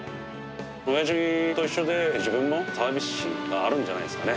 おやじと一緒で、自分もサービス心があるんじゃないですかね。